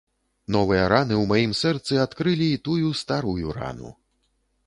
Новыя раны ў маім сэрцы адкрылі і тую старую рану.